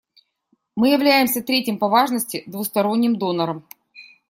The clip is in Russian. Мы являемся третьим по важности двусторонним донором.